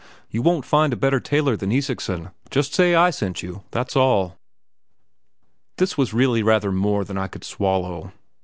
You won't find a better tailor than Isaksen just say I sent you, that's all!" This was really rather more than I could swallow.